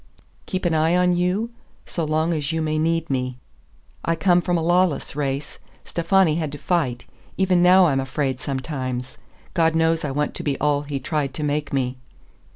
"Keep an eye on you? So long as you may need me." "I come from a lawless race. Stefani had to fight. Even now I'm afraid sometimes. God knows I want to be all he tried to make me."